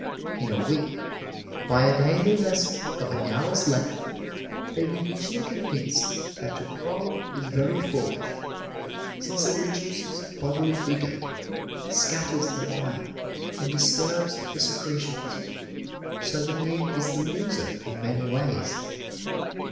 In a week, by a daily lesson of an hour's length, they were usually convinced that to quarrel is very foolish, since it reduces bodily vigor, scatters the mind, and disturbs the secretions, so the man is the loser in many ways.